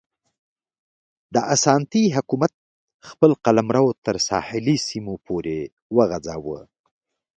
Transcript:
د اسانتي حکومت خپل قلمرو تر ساحلي سیمو پورې وغځاوه.